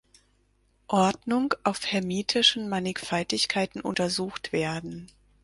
Ordnung auf hermiteschen Mannigfaltigkeiten untersucht werden.